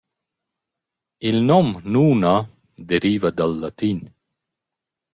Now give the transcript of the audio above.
Il nom «Nuna» deriva dal latin.